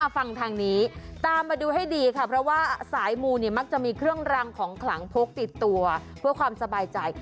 ฟังทางนี้ตามมาดูให้ดีค่ะเพราะว่าสายมูเนี่ยมักจะมีเครื่องรังของขลังพกติดตัวเพื่อความสบายใจ